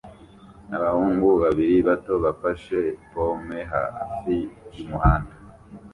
Abahungu babiri bato bafashe pome hafi yumuhanda